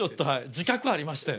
自覚ありましてん。